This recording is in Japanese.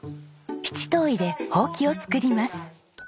七島藺でホウキを作ります。